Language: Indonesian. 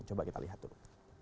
coba kita lihat dulu